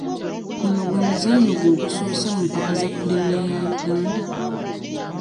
Guno gwe muzannyo gwo ogusoose mu mpaka za pulimiya ya Uganda?